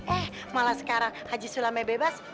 eh malah sekarang haji sulama bebas